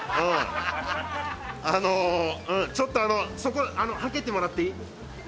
あのちょっとあのそこ、はけてもらっていい？